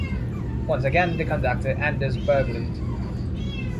Once again, the conductor, Anders Berglund.